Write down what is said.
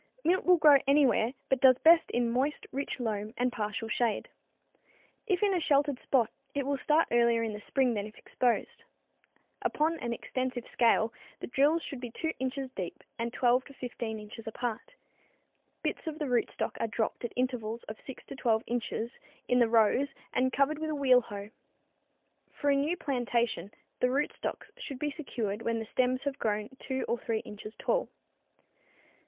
Mint will grow anywhere but does best in a moist, rich loam and partial shade. If in a sheltered spot, it will start earlier in the spring than if exposed. Upon an extensive scale the drills should be 2 inches deep and 12 to 15 inches apart. Bits of the rootstocks are dropped at intervals of 6 to 12 inches in the rows and covered with a wheel hoe. For a new plantation the rootstocks should be secured when the stems have grown 2 or 3 inches tall.